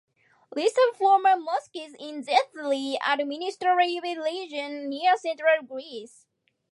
List of former mosques in Thessaly administrative region near central Greece.